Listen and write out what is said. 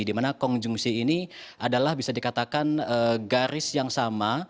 di mana konjungsi ini adalah bisa dikatakan garis yang sama